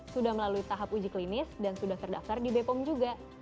sudah melalui tahap uji klinis dan sudah terdaftar di bepom juga